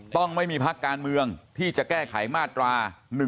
ต้องไม่มีพักการเมืองที่จะแก้ไขมาตรา๑๑๒